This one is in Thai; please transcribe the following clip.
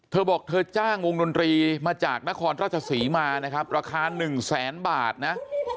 เธอบอกเธอจ้างวงดนตรีมาจากนครราชศรีมานะครับราคา๑แสนบาทนะ